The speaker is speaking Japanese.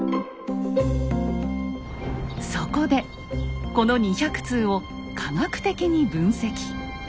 そこでこの２００通を科学的に分析。